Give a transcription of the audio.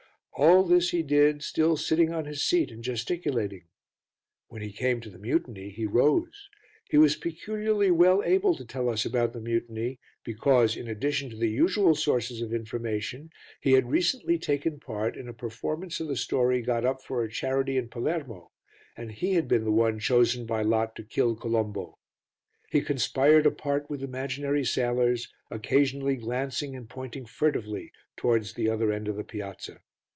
All this he did, still sitting on his seat and gesticulating. When he came to the mutiny he rose. He was peculiarly well able to tell us about the mutiny because, in addition to the usual sources of information, he had recently taken part in a performance of the story got up for a charity in Palermo and he had been the one chosen by lot to kill Colombo. He conspired apart with imaginary sailors, occasionally glancing and pointing furtively towards the other end of the piazza.